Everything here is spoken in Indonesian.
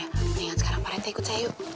yaudah jangan sekarang parete ikut saya yuk